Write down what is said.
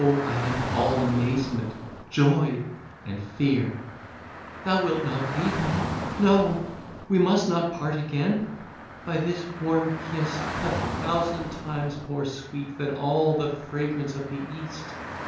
I am all amazement, joy, and fear!—Thou wilt not leave me!—No! we must not part again. By this warm kiss! a thousand times more sweet than all the fragrance of the East!